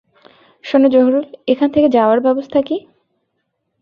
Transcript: শোনো জহুরুল-এখান থেকে যাওয়ার ব্যবস্থা কী?